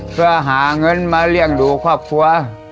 เพื่อหาเงินมาเลี้ยงดูครอบครัว